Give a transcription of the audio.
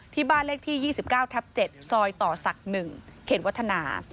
ที่บ้านเลขที่๒๙ทับ๗ซอยต่อศักดิ์๑เขตวัฒนา